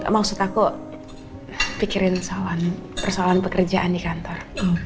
maksud aku pikirin salan persoalan pekerjaan di kantor